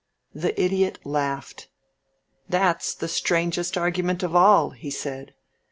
The Idiot laughed. "That's the strangest argument of all," he said.